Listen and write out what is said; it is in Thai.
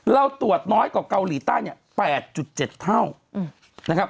เราตรวจน้อยกว่าเกาหลีใต้๘๗เท่า